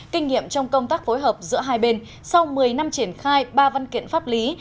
kinh nghiệm trong công tác phối hợp giữa hai bên sau một mươi năm triển khai ba văn kiện pháp lý